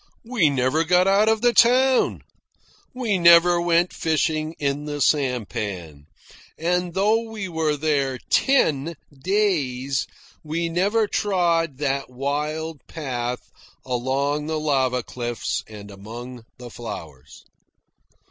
We never got out of the town. We never went fishing in the sampan. And though we were there ten days, we never trod that wild path along the lava cliffs and among the flowers.